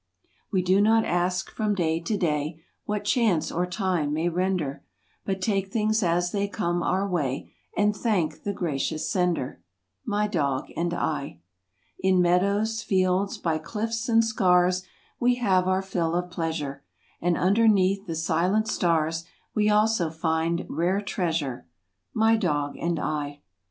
We do not ask from day to day What chance or time may render, But take things as they come our way And thank the gracious Sender— My dog and I. In meadows, fields, by cliffs and scars We have our fill of pleasure, And underneath the silent stars We also find rare treasure — My dog and 1.